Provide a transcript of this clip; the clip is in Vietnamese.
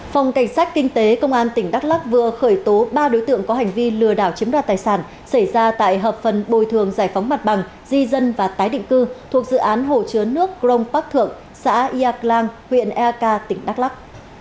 phòng cảnh sát kinh tế công an tỉnh đắk lắc vừa khởi tố ba đối tượng có hành vi lừa đảo chiếm đoạt tài sản xảy ra tại hợp phần bồi thường giải phóng mặt bằng di dân và tái định cư thuộc dự án hộ chứa nước cron bắc thượng xã yạc lan huyện ea ca tỉnh đắk lắc